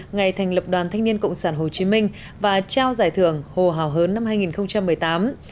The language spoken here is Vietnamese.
ngày thành lập đoàn thanh niên cộng sản hồ chí minh và trao giải thưởng hồ hào hớn năm hai nghìn một mươi tám